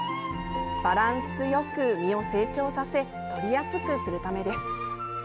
バランスよく実を成長させとりやすくするためです。